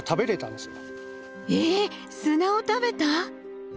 砂を食べた？